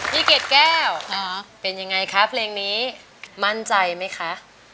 เกดแก้วเป็นยังไงคะเพลงนี้มั่นใจไหมคะ